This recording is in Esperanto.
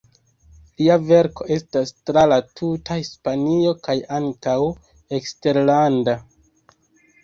Lia verko estas tra la tuta Hispanio kaj ankaŭ eksterlande.